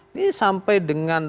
ini sampai dengan